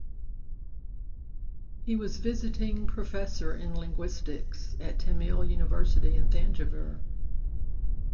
He was visiting professor in linguistics at Tamil University in Thanjavur.